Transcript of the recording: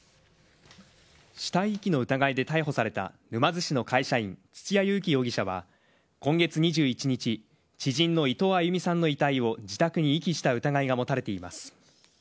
死体遺棄の疑いで逮捕された沼津市の会社員、土屋勇貴容疑者は、今月２１日、知人の伊藤あゆみさんの遺体を自宅に遺棄した疑いが持たれています。